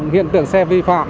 hiện tượng xe vi phạm